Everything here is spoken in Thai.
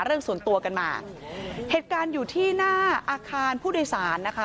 เรื่องส่วนตัวกันมาเหตุการณ์อยู่ที่หน้าอาคารผู้โดยสารนะคะ